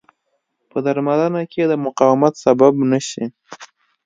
په درملنه کې د مقاومت سبب نه شي.